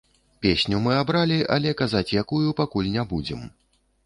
Песню мы абралі, але казаць якую пакуль не будзем.